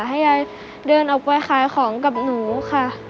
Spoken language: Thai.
ให้ยายเดินออกไปขายของกับหนูค่ะ